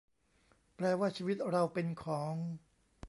แปลว่าชีวิตเราเป็นของ ?